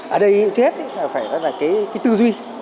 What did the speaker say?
ở đây chứ hết phải là cái tư duy